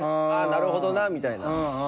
ああなるほどなみたいな。